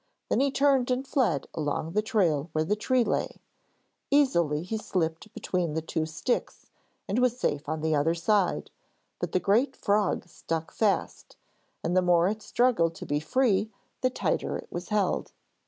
Then he turned and fled along the trail where the tree lay. Easily he slipped between the two sticks, and was safe on the other side, but the great frog stuck fast, and the more it struggled to be free the tighter it was held.